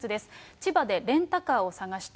千葉でレンタカーを探して。